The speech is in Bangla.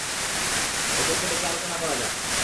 ওদেরকে ডেকে আলোচনা করা যাক।